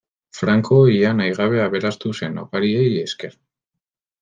Franco ia nahi gabe aberastu zen, opariei esker.